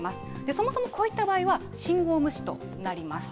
そもそもこういった場合は信号無視となります。